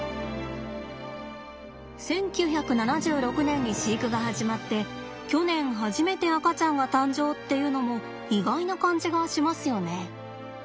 １９７６年に飼育が始まって去年初めて赤ちゃんが誕生っていうのも意外な感じがしますよね。